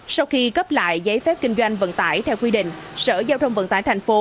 sau khi cấp lại giấy phép kinh doanh vận tải theo quy định sở giao thông vận tải thành phố